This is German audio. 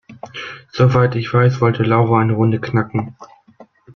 Soweit ich weiß, wollte Laura eine Runde knacken.